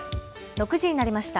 ６時になりました。